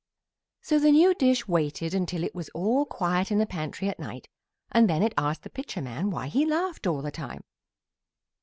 So the new dish waited until it was all quiet in the pantry at night, and then it asked the Pitcher man why he laughed all the time.